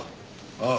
ああ。